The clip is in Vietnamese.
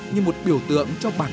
như một biểu tượng cho bản lĩnh